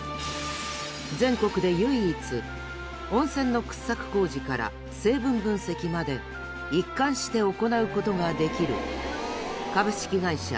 全国で唯一温泉の掘削工事から成分分析まで一貫して行う事ができる株式会社